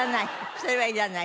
それはいらない？